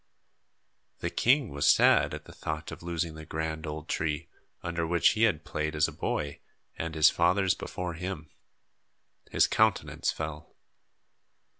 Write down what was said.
The king was sad at the thought of losing the grand old tree, under which he had played as a boy and his fathers before him. His countenance fell.